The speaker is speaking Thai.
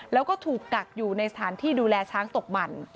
แล้วก็ถูกกักอยู่ในสถานที่ดูแลช้างตกหมั่น